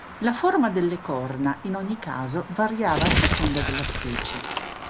La forma delle corna, in ogni caso, variava a seconda della specie.